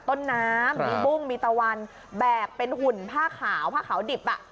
ต้นน้ำมีบุ้งมีตะวันแบบเป็นหุ่นผ้าขาวผ้าขาวดิบอ่ะ